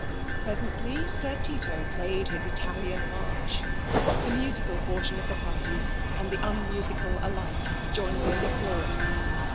Presently Sir Tito played his Italian march. The musical portion of the party, and the unmusical alike, joined in the chorus.